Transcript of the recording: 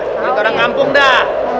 jangan ke orang kampung dah